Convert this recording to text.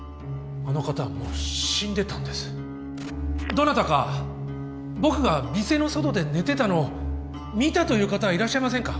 どなたか僕が店の外で寝てたのを見たという方はいらっしゃいませんか？